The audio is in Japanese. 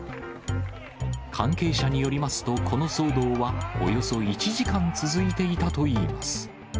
関係者によりますと、この騒動はおよそ１時間続いていたといいます。